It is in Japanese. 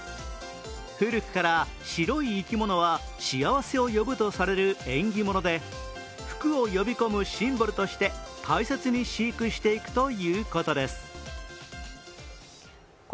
古くから白い生き物は幸せを呼ぶとされる縁起物で福を呼び込むシンボルとして大切に飼育していくということです。